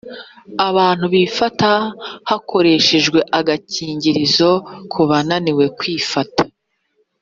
abantu bifata, hakoreshwa agakingirizo ku bananiwe kwifata,